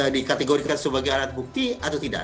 dikategorikan sebagai alat bukti atau tidak